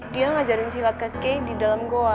dia ngajarin silat kakek di dalam goa